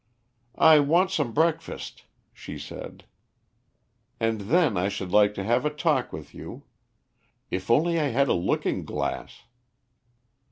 "I want some breakfast," she said, "and then I should like to have a talk with you. If only I had a looking glass."